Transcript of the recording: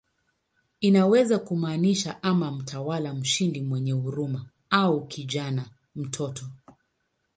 Inaweza kumaanisha ama "mtawala mshindi mwenye huruma" au "kijana, mtoto".